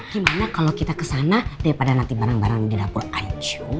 gimana kalau kita kesana daripada nanti bareng bareng di dapur anjing